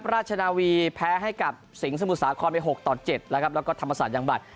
ราชนาวีแพ้ให้กับสิงห์สมุทรสาครไป๖ต่อ๗แล้วก็ธรรมศาสตร์ยังบัตร